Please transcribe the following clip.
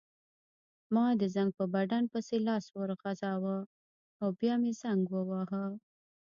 ما د زنګ په بټن پسې لاس وروغځاوه او بیا مې زنګ وواهه.